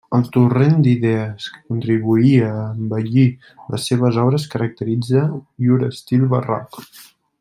El torrent d'idees que contribuïa a embellir les seves obres caracteritza llur estil barroc.